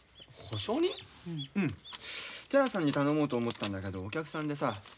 寺さんに頼もうと思ったんだけどお客さんでさ。